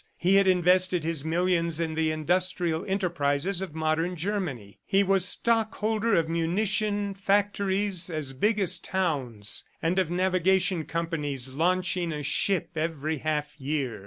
He had invested his millions in the industrial enterprises of modern Germany. He was stockholder of munition factories as big as towns, and of navigation companies launching a ship every half year.